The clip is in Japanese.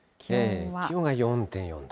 気温は４．４度。